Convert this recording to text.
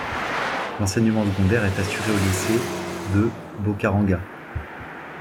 L'enseignement secondaire est assuré au lycée de Bocaranga.